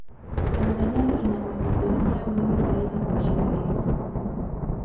Tanzania ina mamilionea wengi zaidi kuishinda Kenya